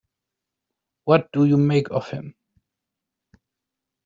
What do you make of him?